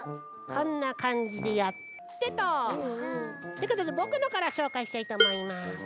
こんなかんじでやってと。ってことでぼくのからしょうかいしたいとおもいます。